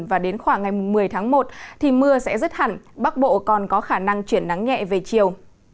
và đến khoảng ngày một mươi tháng một thì mưa sẽ rứt hẳn bắc bộ còn có khả năng chuyển nắng nhẹ về chiều